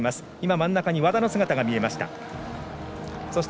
真ん中に和田の姿が見えました。